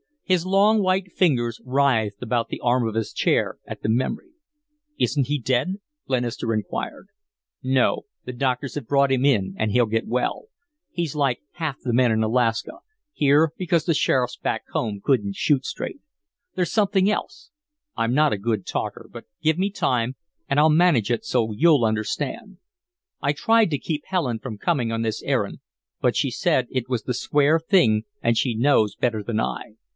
His long white fingers writhed about the arm of his chair at the memory. "Isn't he dead?" Glenister inquired. "No. The doctors have brought him in and he'll get well. He's like half the men in Alaska here because the sheriffs back home couldn't shoot straight. There's something else. I'm not a good talker, but give me time and I'll manage it so you'll understand. I tried to keep Helen from coming on this errand, but she said it was the square thing and she knows better than I.